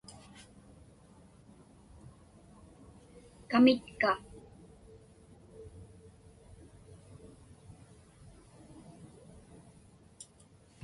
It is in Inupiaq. kamitka